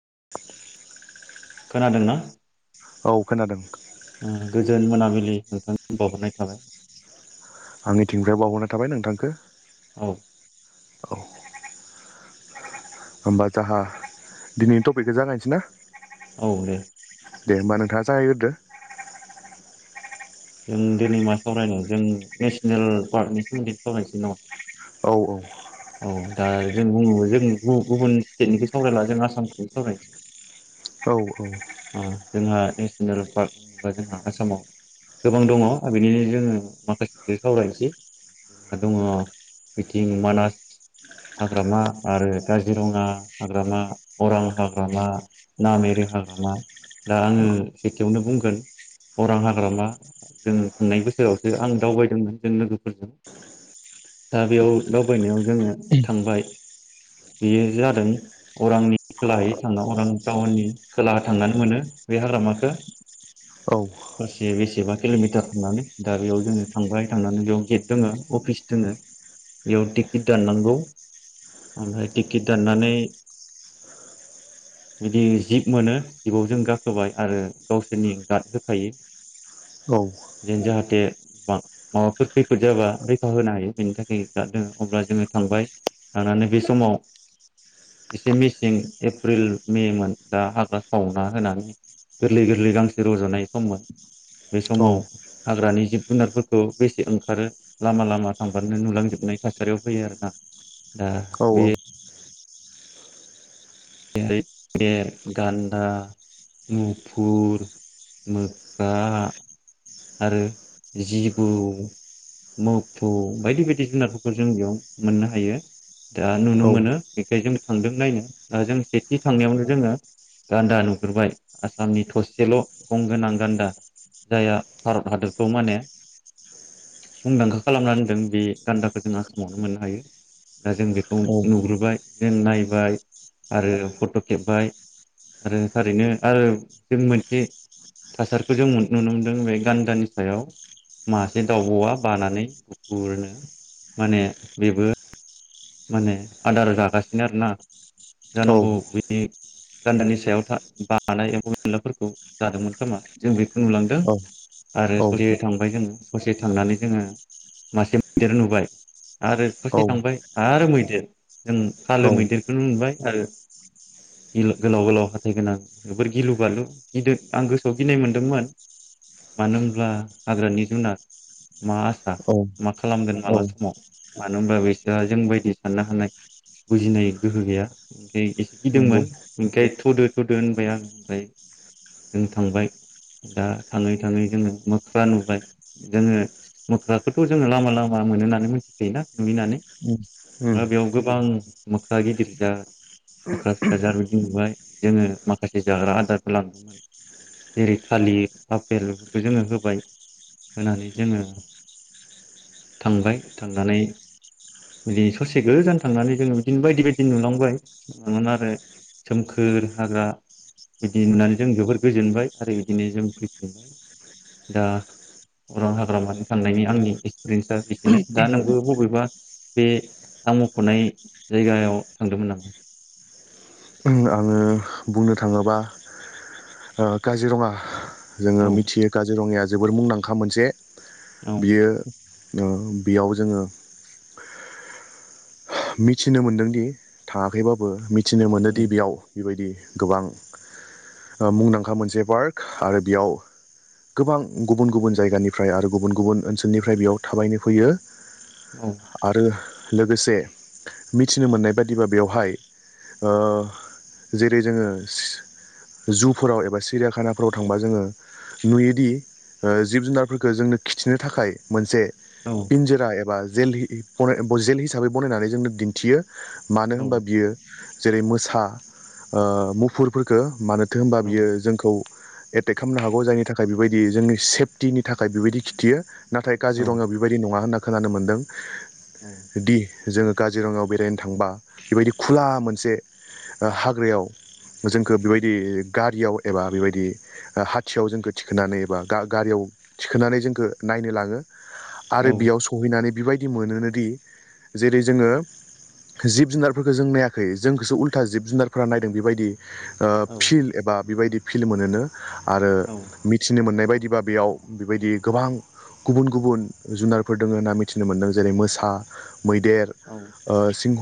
[unintelligible] खोनादोंना? औ खोनादों। ओ गोजोन मोनाबिलि नोंथांनिसिम बावहरनाय थाबाय। आंनि थिंनिफ्राय बावहरना थाबाय नोंथांखो। औ औ। होमबा जाहा दिनैनि टपिकखौ जागायनोसै ना? औ दे। दे होमबा नोंथाङा जागायगोरदो। जों दिनै मा सावरायनो जों नेसनेल पार्कनि सोमोन्दै सावरायनोसै नामा? औ औ। औ दा जों बुङो जों गु-गुबुन स्टेटनिखौ सावरायला जों आसामखौ सावरायनोसै। औ औ। ओ जोंहा नेसनेल पार्क होनोबा जोंहा आसामाव गोबां दङ' बिनिनो जोङो माखासेखौ सावरायनोसै जोंहा दङ' बिथिं मानास हाग्रामा आरो काजिरङा हाग्रामा अरां हाग्रामा नामेरि हाग्रामा दा आङो सेथियावनो बुंगोन अरां हाग्रामा जों थांनाय बोसोरावसो आं दावबायदोंमोन जों लोगोफोरजों दा बेयाव दावबायनायाव जोङो थांबाय बेयो जादों अरांनि खोलायै थांना अरां टाउननि खोला थांनानै मोनो बे हाग्रामखौ औ दरसे बेसेबां किल'मिटार थांनानै दा बेयाव जोङो थांबाय थांनानै बेयाव गेट दङ' अफिस दङो बेयाव टिकेट दाननांगौ ओमफ्राय टिकेट दाननानै बिदि जिब मोनो जिबआव जों गाखोबाय आरो गावसोरनि गार्ड होखायो। जेन जाहाथे मा-माबाफोर खैफोद जाबा रैखा होनो हायो बेनि थाखाय दा जों अब्ला जोङो थांबाय थांनानै बे समाव एसे मेसिं एप्रिल मेमोन दा हाग्रा सावना होनानै गोरलै-गोरलै गांसो रज'नाय सममोन। बे औ समाव हाग्रानि जिब जुनारफोरखौ बेसे ओंखारो लामा लामा थांफानो नुलांजोबनाय थासारियाव फैयो आरोना दा औ औ बे मैदेर गान्दा मुफुर मोख्रा आरो जिबौ मोफौ बायदि बायदि जुनारफोरखौ जों बेयाव मोननो हायो दा औ नुनो मोनो बेखायनो जों थांदों नायनो दा जों सेथि थांनायावनो जोङो गान्दा नुग्रोबबाय आसामनि थसेल' गंगोनां गान्दा जायहा भारत हादरखौ माने मुंदांखा खालामना होनदों बे गान्दाखौ जों आसामावनो मोननो हायो दा जों बेखौ औ नुग्रोबाय जों नायबाय आरो फट' खेबबाय आरो थारैनो आरो जों मोनसे थासारिखौ जों नुनो मोनदों बे गान्दानि सायाव मासे दाउब'आ बानानै गुुफुरनो माने बेबो माने आदार जागासिनो आरोना जानांगौ बिनि गान्दानि सायाव बानाय एम्फौ एनलाफोरखौ जादोंमोन खोमा जों बेखौ नुलांदों औ आरो औ ससे थांबाय जोङो ससे थांनानै जोङो मासे मैदेर नुबाय आरो ससे थांबाय आरो मैदेर जों फालो औ मैदेरखौनो मोनबाय आरो गि गोलाव गोलाव हाथाय गोनां जोबोर गिलु बालु गिद आं गोसोआव गिनाय मोनदोंमोन मानो होनब्ला हाग्रानि जुनाद मा आसा मा खालामगोन माला समाव मानो होनबा बेस दा जों बदि साननो हानाय बुजिनाय गोहो गैया ओमफ्रायाय एसे नंगौ गिदोंंमोन ओमखाय थ'दो थदो होनबाय आं ओमफ्राय जों थांबाय दा थाङै थाङै जोङो मोख्रा नुबाय जोङो मोख्राखौथ' जोङो लामा लामा मोनो होननानै मिथिखायोना नुयो होननानै। दा बेयाव गोबां मोख्रा गिदिर जा मोख्रा फिसा जा बिदि नुबाय जोङो माखासे जाग्रा आदारफोर लांदोंमोन जेरै थलिर आफेल बेफोरखौ जोङो होबाय होनानै जोङो थांबाय थांनानै बिदिनो ससे गोजान थांनानै जोङो बिदिनो बायदि बायदि नुलांबाय ना आरो सोमखोर हाग्रा बिदि नुनानै जों जबोर गोजोनबाय आरो बिदिनो जों फैफिनबाय दा अरां हाग्र मानि थांनायनि आंनि एक्सपिरियेन्सा बिसेनो दा नोंबो बबेबा बे आं मख'नाय जायगायाव थांदोंमोन नामा? आङो बुंनो थाङोबा ओ काजिरङा। जोङो औ मिथियो काजिरङाया जोबोर मुंदांखा मोनसे औ बियो ओ बेयाव जोङो मिथिनो मोन्दोंदि थाङाखैबाबो। थिनो मोनोदि उम बेयाव बेबायदि गोबां ओ मुंदांखा मोनसे पार्क आरो बेयाव गोबां गुबुन गुबुन जायगानिफ्राय आरो गुबुन गुबुन ओनसोलनिफ्राय बेयाव थाबायनो फैयो। औ आरो लोगोसे। मिथिनो मोननाय बादिबा बेवहाय ओ जेरै जोङो जुफोराव एबा सिरियाखानाफोराव थांबा जोङो नुयोदि ओ जिब जुनारफोरखौ जोंनो खिथिनो थाखाय मोनसे औ पिनजोरा एबा जेल जेल हिसाबै। बनायनानै जोंनो दिन्थियो। मानो औ होनबा बियो जेरै मोसा ओ मुफुरफोरखौ मानो थो होमबा औ बियो जोंखौ एटेक खालामनो हागौ जायनि थाखाय बेबायदि जोंनि सेफटिनि थाखाय बेबायदि खिथियो। नाथाय काजिरङाव बेबायदि नङा होनना खोनानो मोन्दों। औ दि जोङो काजिरङायाव बेरायनो थांबा बेबायदि खुला मोनसे ओ हाग्रायाव जोंखौ बेबायदि गारियाव एबा बेबायदि ओ हाथियाव जोंखौ थिखोनानै एबा गा-गारियाव थिखोनानै जोंखौ नायनो लाङो। औ आरो बेयाव सहैनानै बेबाय दि मोनोनो दि जेरै जोङो जिब जुनारफोरखौ जों नायाखै जोंखौसो उल्था जिब जुनारफोरा नायदों बेबायदि ओ औ फिल्ड एबा बेबायदि फिल्ड मोनोनो। आरो मिथिनो मोननाय बाय दिबा बेयाव बेबायदि गोबां गुबुन गुबुन जुनारफोर दङ होनना मिथिनो मोन्दों जेरै मोसा मैदेर औ ओ सिंह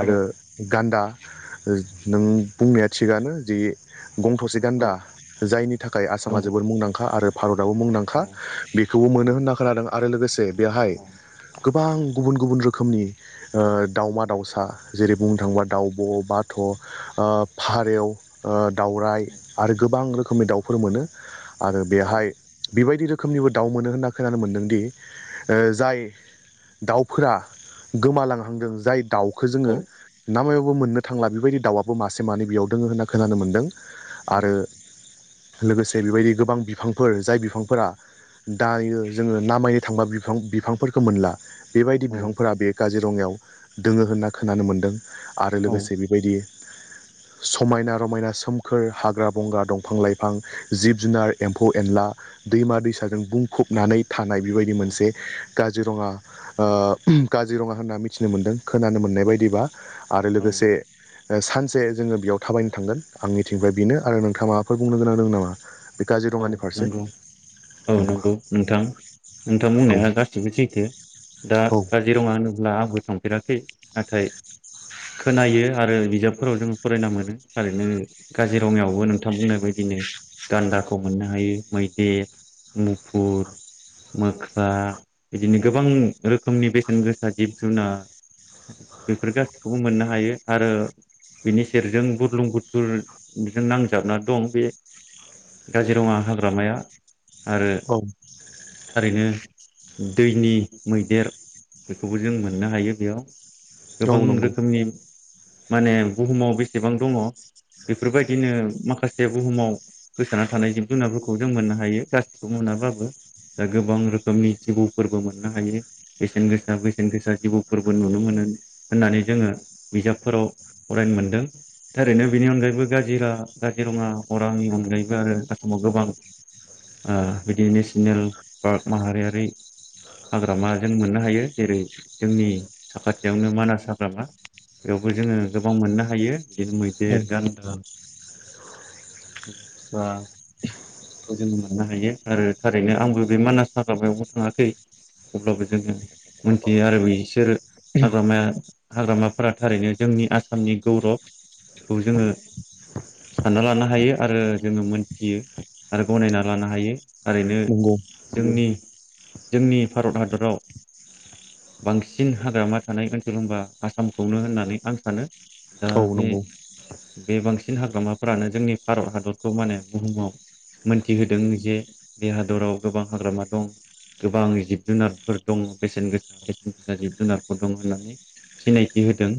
आरो गान्दा। ओ नों बुंनाया थिगानो जि गं थसे गान्दा औ जायनि थाखाय आसामा जोबोद मुंदांखा आरो बेवबो मुंदांखा बेखौबो मोनो होनना खोनादों। आरो लोगोसे बेहाय गोब गोबां गुबुन गुबुन रो खोमनि ओ दाउमा-दाउसा जेरै बुंनो थाङोबा दाउब', बाथ' ओ फारेव ओ दावराय आरो गोबां रो खोमनि दाउफोर मोनो। आरो बेहाय बेबायदि रोखोमनिबो दाउ मोनो होनना खोनानो मोनदोंदि ओ जाय दाउफोरा गोमालांहांदों जाय दाउ खौ जोङो नामायाव बो मोननो थांला बेबायदि दाउआबो मासे मानै बेयाव दङो होनना खोनानो मोनदों। औ आरो लोगोसे बेबायदि गोबां बिफांफोर जाय बिफांफोरा दायो जोङो नाामायनो थांबा बिफां बिफांफोरखौ मोनला। बेबायदि औ बिफां काजिरङायाव दोङो होनना खोनानो मोन्दों। आरो औ लोगोसे बेबायदि समायना रमायना सोमखोर हाग्रा बंग्रा दंफां लाइफां जिब जुनार एम्फौ एनला दैमा दैसाजों बुंफबनानै थानाय बेबायदि औ मोनसे काजिरङा ओ काजिरङा होनना मिथिनो मोनदों खोनानो मोननाय बायदिबा। आरो औ लोगोसे सानसे जोङो बेयाव थाबायनो थांगोन आं मिथिंनिफ्राय बेनो आरो नोंथाङा माबाफोर बुंनो गोनां दं नामा? बे औ काजिरङानि फारसे नंगौ औ नंगौ नोंथां नोंथां औ बुंनाया गासिबो सैथो दा औ काज काजिरङा होनोब्ला आबोद थांफेराखै नाथाय खोनायो आरो बिजाबफोराव जों फरायना मोनो थारैनो काजिरङायावबो नोंथां बुंनाय बायदिनो गान्दाख मोननो हायो मैदेर मुफुर मोख्रा बिदिनो गोबां रोखोमनि बेसेन गोसा जिब जुनार बेफोर गासिखौबो मोननो हायो आरो बेनि सेरजों बुरलुं बुथुरजों नांजाबना दं बे काजिरङा हाग्रामाया आरो औ थारैनो दैनि मैदेर बेखौबो जों मोननो हायो बेयाव। गोबां औ नंगौ रोखोमनि माने बुहुमाव बेसेबां दङ बेफोरबायदिनो माखासे बुहुमाव गोसाना थानाय जिब जुनारफोरखौ जों मोननो हायो गासिखौबो मोनाबाबो दा गोबां रोखोमनि जिबौफोरबो मोननो हायो बेसेन गोसा बेसेन गोसा जिबौफोरबो नुनो मोनो होननानै जोङो बिजाबफोराव फरायनो मोनदों थारैनो बेनि अनगायैबो काजिरा काजिरङा अरांनि अनगायैबो आरो आसामाव गोबां ओ बिदि नेसनेल पार्क माहारियारि हाग्रामा जों मोननो हायो जेरै जोंनि साखाथियावनो मानास हाग्रामा बेयावबो जोङो गोबां मोननो हायो। बिदिनो औ मैदेर गान्दा औ। बा बेखौ जोङो मोननो हायो आरो थारैनो आंबो बे मानास हाग्रामायावनो थाङाखै अब्लाबो जोङो मोनथियो आरो बिसोर हाग्रामाया हाग्रामा थारा थारैनो जोंनि आसामनि गौरबखौ जोङो सानना लानो हायो आरो जोङो मोनथियो आरो गनायना लानो हायो। ओरैनो नंगौ जोंनि जोंनि भारत हाद दराव बांसिन हाग्रामा थानाय ओनसोल होनबा आसामखौनो होननानै आं सानो। दा औ बे नंगौ बे बांसिन हाग्रामाफोरानो जोंनि भारत हादर खौ माने बुहुमाव मोनथि होदों। जे बे हादराव गोबां हाग्रामा दं, गोबां जिब जुनारफोर दङ, बेसेन गोसा बेसेन गोसा जिब जुनारफोर दं, होननानै सिनायथि होदों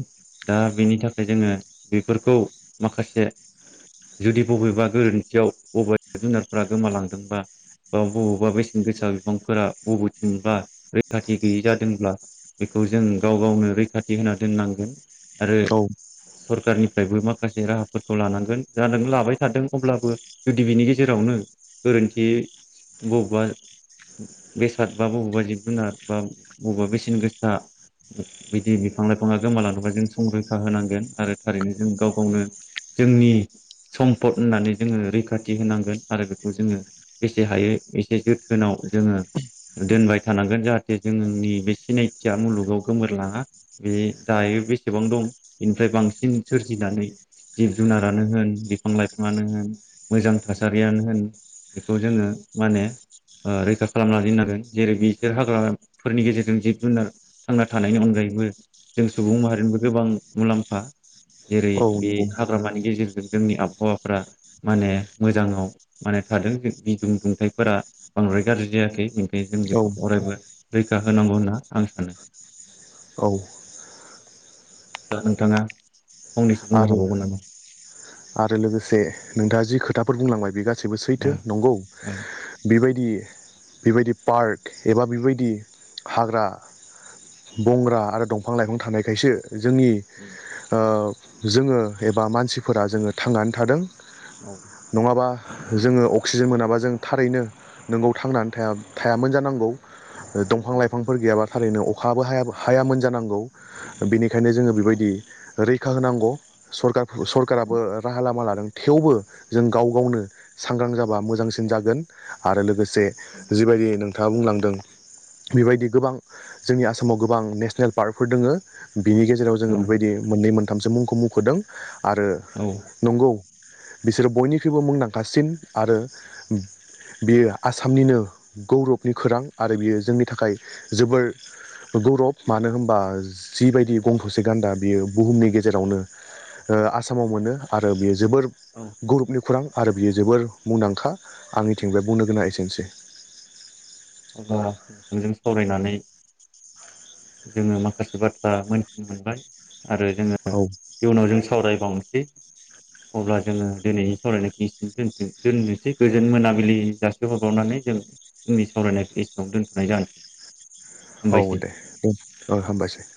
दा बेनि थाखाय जोङो बेफोरखौ माखासे जुदि बबेबा गोरोन्थियाव बबेबा जुनारफोरा गोमालांदोंबा बा बबावबा बेसेन गोसा बिफांफोरा बबेथिंबा रैखाथि गैयि जादोंब्ला बेखौ जों गाव गावनो रैखाथि होना दोननांगोन आरो औ सरखारनिफ्रायबो माखासे राहाफोरखौ लानांगोन जादों लाबाय थादों। अब्लाबो जुदि बिनि गेजेरावनो गोरोन्थियै बबेबा बेसाद बा बबेबा जिब जुनार बा बबेबा बेसेन गोसा बिदि बिफां लाइफाङा गोमालांदोंबा जों संरैखा होनांगोन आरो थारैनो जों गाव गावनो जोंनि सम्पद होननानै जोङो रैखाथि होनांगोन आरो बेखौ जोङो बेसे हायो एसे जोथोनाव जोङो दोनबाय थानांगोन जाहाथे जोंनि बे सिनायथिया मुलुगाव गोमोरलाङा बे दायो बेसेबां दं बेनिफ्राय बांसिन सोरजिनानै जिब जुनारानो होन बिफां लाइफ ङानो होन मोजां थासारियानो होन बेखौ जोङो माने ओ रैखा खालामनानै दोननांगोन जेरै बिसोर हाग्राफोरनि गेजेरजों जिब जुनार थांना थानायनि अनगायैबो जों सुबुं माहारिनिबो गोबां मुलाम्फा जेरै औ बे नंगौ हाग्रामानि गेजेर जोंनि आबहावा। फ्रा माने मोजाङाव माने थादों गदुं दुंथाइफोरा बांद्राय गाज्रि जायाखै। जों औ बेखौ अरायबो। रैखा होनांगौ होनना आं सानो। औ दा नोंथाङा। फंनैसो बुंनो आरो हाबावगोन नामा? आरो लोगोसे नोंथाङा जि खोथाफोर बुंलांबाय बे गास सिबो सैथो नंगौ बेबाय दि बेबायदि पार्क एबा बेबायदि हाग्रा बंग्रा आरो दंफां लाइफां थानायखायसो। जोंनि ओ जोङो एबा मानसिफोरा जोङो थांनानै थादों। ओ नङाबा। जोङो अक्सिजेन मोनाबा जों थारैनो नोंगौ थांनानै थाया थायामोन जानांगौ। दंफां लाइफांफोर गैयाबा थारैनो अखाबो हायाब हायामोन जानांगौ बेनिखायनो जोङो बेबायदि रै खा होनांगौ सरका सरकाराबो राहा लामा लादों। थेवबो जों गाव गावनो सांग्रां जाबा मोजांसिन जागोन आरो लोगो से जिबायदि नों थाङा बुंलांदों बेबायदि गोबां जोंनि आसामाव गोबां नेसनेल पार्कफोर दोङो। बिनि गेजेराव जोङो ओ बेबायदि मोननै मोन थामसो मुंखौ मुंखदों। आरो औ नंगौ। बिसोरो बयनिख्रुइबो मुंदांखासिन आरो बियो आसामनिनो गौरबनि खोरां आरो बियो जोंनि थाखाय जोबोर गौरब मानो होम्बा जिबायदि गं थसे गान्दा बियो बुहुमनि गे जेरावनो ओ आसामाव मोनो आरो बियो जोबोर औ गौरुबनि खुरां। आरो बियो जोबोर मुंदांखा आंनिथिं बे बुंनो गोनाङा एसेनोसै। अब्ला नोंथांजों सावरायनानै [inaudible] जोङो माखासे बाथ्रा मोनथिनो मोनबाय। आरो जोङो औ इयुनाव जों सावरायबावनो सै अब्ला जोङो दिनैनि सावरायनायखौ दो-दोननोसै गोजोन मोनाबिलि जासे हरबावनानै जों सावरायनायखौ एसेबां दोनथ'नाय जानोसै। औ हामबायसै दे हामबायसै।